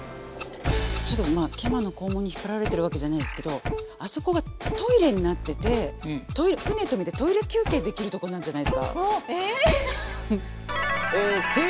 ちょっと毛馬のこうもんに引っ張られてるわけじゃないですけどあそこがトイレになってて舟止めてトイレ休憩できるとこなんじゃないですか。え？